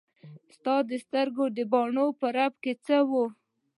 ستا د سترګو د بڼو په رپ کې څه وو.